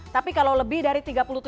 tapi kalau lebih dari tiga puluh tujuh